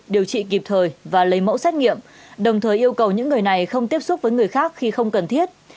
điều trị kịp thời và lấy mẫu xét nghiệm đồng thời yêu cầu những người này không tiếp xúc với người khác khi không cần thiết